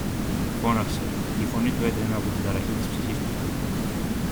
φώναξε, και η φωνή του έτρεμε από την ταραχή της ψυχής του.